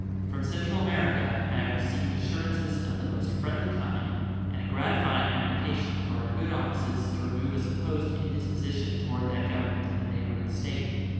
From Central America I have received assurances of the most friendly kind and a gratifying application for our good offices to remove a supposed indisposition toward that Government in a neighboring State.